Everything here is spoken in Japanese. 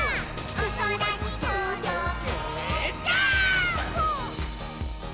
「おそらにとどけジャンプ！！」